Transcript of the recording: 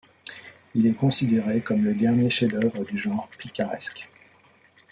Il est considéré comme le dernier chef-d’œuvre du genre picaresque.